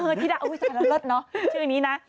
อุ๊ยโดดเนอะชื่อนี้นะ